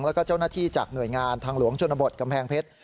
แล้วก็เจ้าหน้าที่จากหน่วยงานทางหลวงชนบทกำแพงเพชร